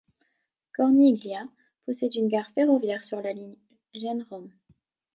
Corniglia possède une gare ferroviaire sur la ligne Gênes-Rome.